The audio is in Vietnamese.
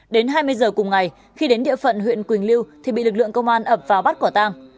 đến hai mươi giờ cùng ngày khi đến địa phận huyện quỳnh lưu thì bị lực lượng công an ập vào bắt quả tang